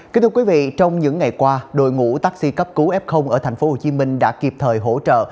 kính thưa quý vị trong những ngày qua đội ngũ taxi cấp cứu f ở tp hcm đã kịp thời hỗ trợ